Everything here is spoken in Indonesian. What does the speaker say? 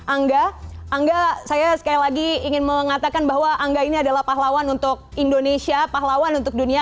angga angga saya sekali lagi ingin mengatakan bahwa angga ini adalah pahlawan untuk indonesia pahlawan untuk dunia